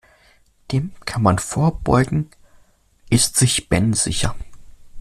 Dem kann man vorbeugen, ist sich Ben sicher.